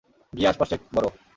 গিয়ে আশপাশ চেক বরো।